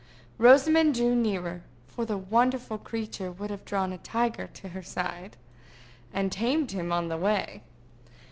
Rosamond drew nearer, for the wonderful creature would have drawn a tiger to her side, and tamed him on the way.